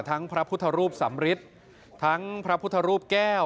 พระพุทธรูปสำริททั้งพระพุทธรูปแก้ว